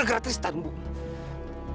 dengan suis tak ada apa itu juga